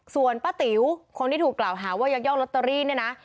ส่วนป้าติ๋วคนที่ถูกกล่าวหาว่ายักยอกลอตเตอรี่เนี่ยนะ